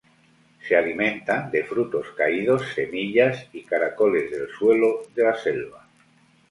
Se alimentan de frutos caídos, semillas y caracoles del suelo de la selva.